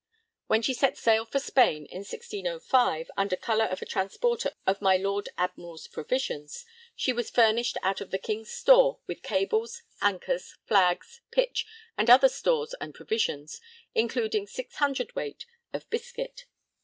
When she set sail for Spain in 1605 'under colour of a transporter of my Lord Admiral's provisions,' she was furnished out of the King's store with cables, anchors, flags, pitch, and other stores and provisions, including 600 cwt. of biscuit.